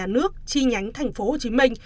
nước chi nhánh tp hcm